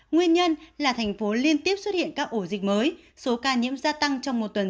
nguyên nhân là thành phố liên tiếp xuất hiện các ổ dịch mới số ca nhiễm gia tăng trong một tuần